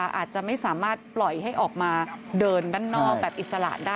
อาจจะไม่สามารถปล่อยให้ออกมาเดินด้านนอกแบบอิสระได้